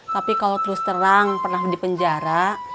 tapi kalau terus terang pernah di penjara